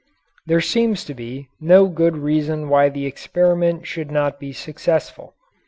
There seems to be no good reason why the experiment should not be successful.